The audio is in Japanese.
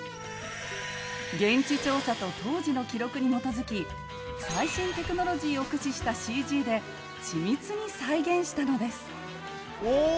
現地調査と当時の記録に基づき最新テクノロジーを駆使したＣＧで緻密に再現したのです。